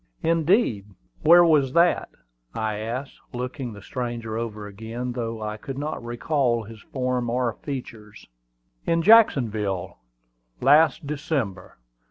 "Indeed! Where was that?" I asked, looking the stranger over again, though I could not recall his form or features. "In Jacksonville, last December.